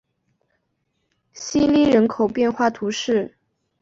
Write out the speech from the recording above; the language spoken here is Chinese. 希伊人口变化图示